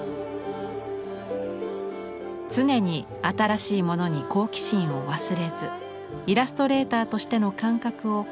常に新しいものに好奇心を忘れずイラストレーターとしての感覚を磨き続けました。